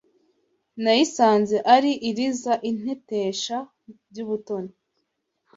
Nayisanze ari iriza Intetesha by’umutoni